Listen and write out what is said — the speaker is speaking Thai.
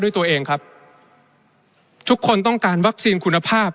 ด้วยตัวเองครับทุกคนต้องการวัคซีนคุณภาพ